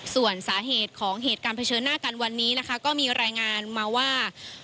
ส่วนสาเหตุของเหตุการณ์เผชิญหน้ากันวันนี้นะคะก็มีรายงานมาว่า